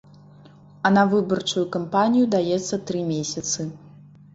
А на выбарчую кампанію даецца тры месяцы.